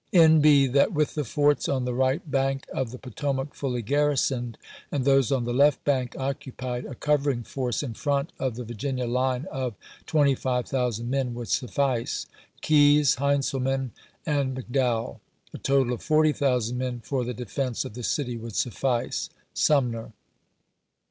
N. B. — That with the forts on the right bank of the Potomac fully garrisoned, and those on the left bank oc cupied, a covering force in front of the Virginia line of 25,000 m(m would suffice. (Keyes, Heintzelman, and Mc Dowell.) A total of 40,000 men for the defense of the city would suffice, (Sumner.)